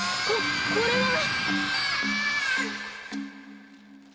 ここれは！？